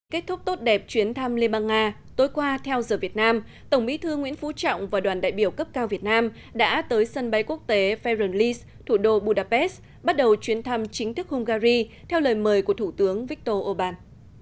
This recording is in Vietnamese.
kết thúc tốt đẹp chuyến thăm liên bang nga tối qua theo giờ việt nam tổng bí thư nguyễn phú trọng và đoàn đại biểu cấp cao việt nam đã tới sân bay quốc tế ferran lee thủ đô budapest bắt đầu chuyến thăm chính thức hungary theo lời mời của thủ tướng vikto orbán